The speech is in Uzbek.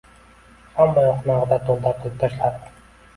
Hammayoqni ag‘dar-to‘ntar qilib tashladim.